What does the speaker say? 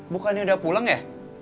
bu kan nih udah pulang ya